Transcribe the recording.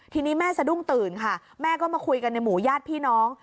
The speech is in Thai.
ทีนี้แม่สะดุ้งตื่นค่ะแม่ก็มาคุยกันในหมู่ญาติพี่น้อง